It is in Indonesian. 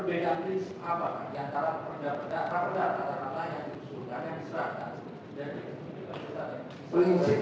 pertemuan yang pertama tadi